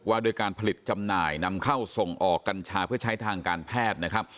ด้วยการผลิตจำหน่ายนำเข้าส่งออกกัญชาเพื่อใช้ทางการแพทย์นะครับ